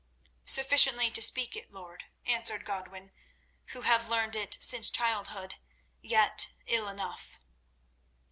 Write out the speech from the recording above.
"Sufficiently to speak it, lord," answered Godwin, "who have learned it since childhood, yet ill enough."